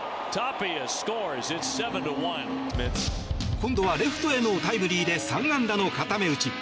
今度はレフトへのタイムリーで３安打の固め打ち。